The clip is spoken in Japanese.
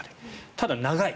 ただ、長い。